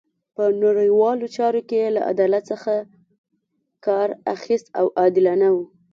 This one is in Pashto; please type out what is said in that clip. په نړیوالو چارو کې یې له عدالت څخه کار اخیست او عادلانه وو.